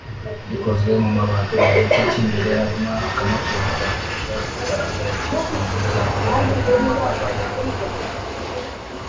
gikozwe mu mabati mu gice cy’imbere harimo akamoteri kagifasha gukaraga icyo umuntu yagereranya n’amababa ya kajugujugu